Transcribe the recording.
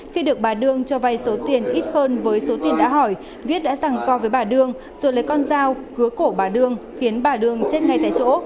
khi được bà đương cho vay số tiền ít hơn với số tiền đã hỏi viết đã rằng co với bà đương rồi lấy con dao cứa cổ bà đương khiến bà đương chết ngay tại chỗ